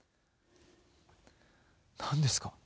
何ですか？